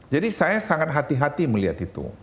jadi saya sangat hati hati melihat itu